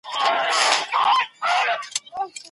که يو د بل حقوق مراعات کړئ، نو د صميميت ژوند به ولرئ